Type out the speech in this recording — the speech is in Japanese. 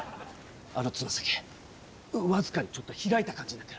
あのつま先僅かにちょっと開いた感じになってる。